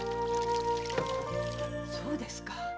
そうですか。